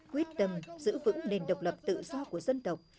quyết tâm giữ vững nền độc lập tự do của dân tộc